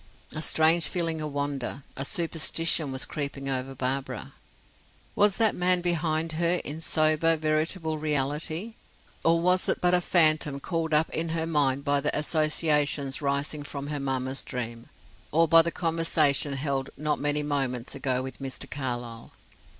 A strange feeling of wonder, of superstition was creeping over Barbara. Was that man behind her in sober, veritable reality or was it but a phantom called up in her mind by the associations rising from her mamma's dream; or by the conversation held not many moments ago with Mr. Carlyle.